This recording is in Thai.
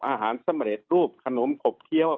อาหารสำเร็จรูปขนมขบเคี้ยว